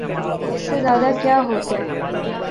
اس سے زیادہ کیا ہوتے؟